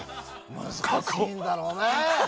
難しいんだろうね。